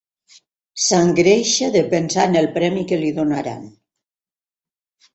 S'engreixa de pensar en el premi que li donaran.